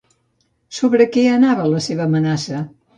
Sobre què anava la seva amenaça?